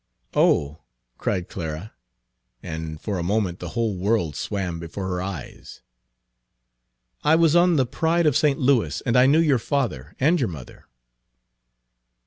"Oh!" cried Clara, and for a moment the whole world swam before her eyes. " I was on the Pride of St. Louis, and I knew your father and your mother."